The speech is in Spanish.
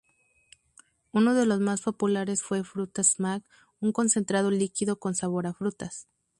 Uno de los más populares fue "Fruta-Smack", un concentrado líquido con sabor a frutas.